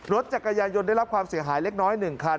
รถจักรยานยนต์ได้รับความเสียหายเล็กน้อย๑คัน